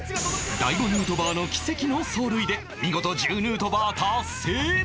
大悟ヌートバーの奇跡の走塁で見事１０ヌートバー。